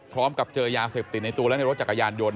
พร้อมกับเจอยาเสพติดในตัวและในรถจักรยานยนต